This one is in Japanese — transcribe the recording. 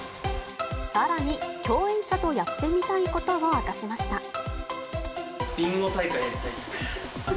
さらに、共演者とやってみたいことを明かしました。